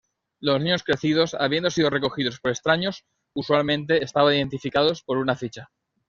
Los niños crecidos, habiendo sido recogidos por extraños, usualmente estaban identificados por una ficha.